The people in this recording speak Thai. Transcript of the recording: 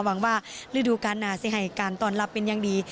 หวังว่าฤดูการหน้าจะให้การต้อนรับเป็นอย่างดี